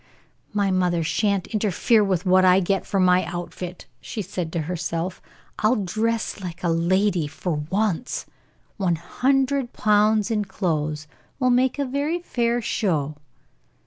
"My mother sha'n't interfere with what I get for my outfit," said she to herself. "I'll dress like a lady for once. One hundred pounds in clothes will make a very fair show."